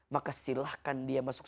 maka silahkan dia masuk